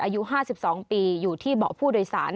อายุ๕๒ปีอยู่ที่เบาะผู้โดยสาร